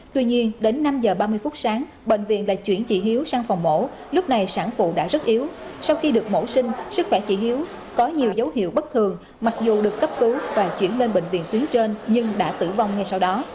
tuy nhiên đến năm h ba mươi phút sáng bệnh viện đã chuyển chị hiếu sang phòng mổ lúc này sản phụ đã rất yếu sau khi được mổ sinh sức khỏe chị hiếu có nhiều dấu hiệu bất thường mặc dù được cấp cứu và chuyển lên bệnh viện tuyến trên nhưng đã tử vong ngay sau đó